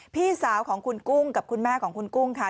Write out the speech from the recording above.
พี่สาวของคุณกุ้งกับคุณแม่ของคุณกุ้งค่ะ